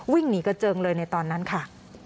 วิ่งหนีกระเจิงเลยในตอนนั้นค่ะ